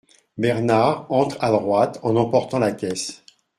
Bernard entre à droite en emportant la caisse.